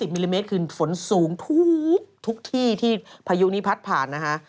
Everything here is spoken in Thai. มิลลิเมตรคือฝนสูงทุกที่ที่พายุนี้พัดผ่านนะฮะ